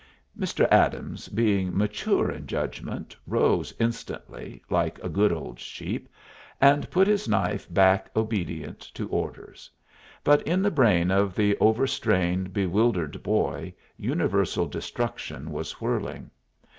Mr. Adams, being mature in judgment, rose instantly, like a good old sheep, and put his knife back obedient to orders. But in the brain of the over strained, bewildered boy universal destruction was whirling.